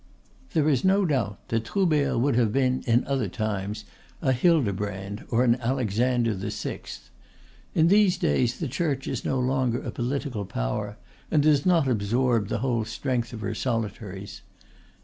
There is no doubt that Troubert would have been in other times a Hildebrand or an Alexander the Sixth. In these days the Church is no longer a political power, and does not absorb the whole strength of her solitaries.